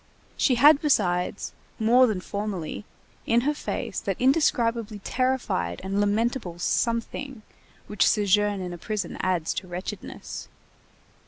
She had besides, more than formerly, in her face that indescribably terrified and lamentable something which sojourn in a prison adds to wretchedness.